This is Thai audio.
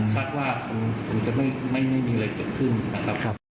คาดว่าคงจะไม่มีอะไรเกิดขึ้นนะครับ